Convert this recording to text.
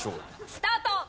スタート！